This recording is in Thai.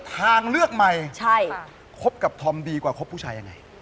ทางเลือกใหม่ใช่คบกับธอมดีกว่าคบผู้ชายยังไง